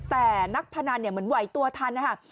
แต่นักพนันเหมือนไหวตัวทันนะคะ